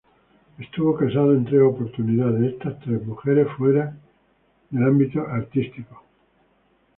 Estuvo casado en tres oportunidades, esas tres mujeres fuera del ambiente artístico.